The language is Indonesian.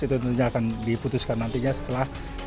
itu tentunya akan diputuskan nantinya setelah